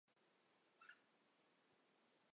妻子是担任经理职务的佐藤悦子。